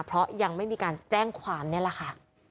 เพราะยังไม่มีการแจ้งความนี่แหละค่ะ